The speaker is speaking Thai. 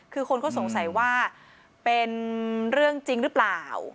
คือคนเขาสงสัยว่าเป็นเรื่องจริงหรือเปล่า